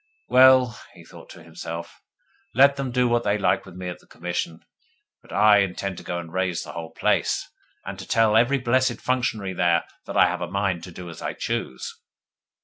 'Well,' he thought to himself, 'let them do what they like with me at the Commission, but I intend to go and raise the whole place, and to tell every blessed functionary there that I have a mind to do as I choose.